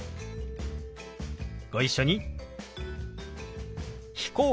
ご一緒に。